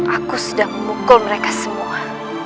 aku sedang memukul mereka semua